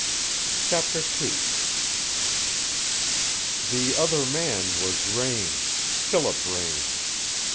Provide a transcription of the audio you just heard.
CHAPTER II The other man was Raine Philip Raine.